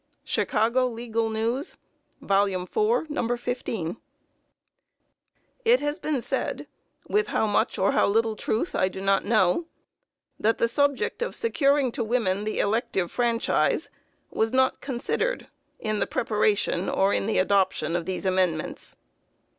Chicago Legal News, vol. iv., No. 15. It has been said, with how much or how little truth I do not know, that the subject of securing to women the elective franchise was not considered in the preparation, or in the adoption of these amendments.